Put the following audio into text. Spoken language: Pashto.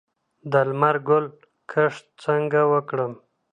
د لمر ګل کښت څنګه وکړم؟